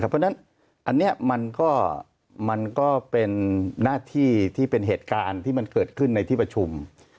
เพราะฉะนั้นอันนี้มันก็เป็นหน้าที่ที่เป็นเหตุการณ์ที่มันเกิดขึ้นในที่ประชุม